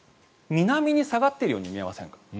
南に下がっているように見えませんか。